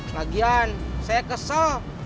lagian saya kesel